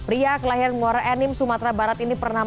ria kelahiran ngor enim sumatera barat ini pernah